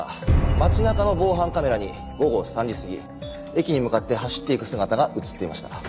街中の防犯カメラに午後３時過ぎ駅に向かって走っていく姿が映っていました。